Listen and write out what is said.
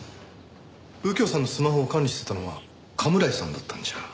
右京さんのスマホを管理してたのは甘村井さんだったんじゃ？